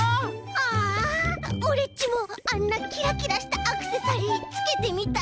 ああオレっちもあんなキラキラしたアクセサリーつけてみたいな！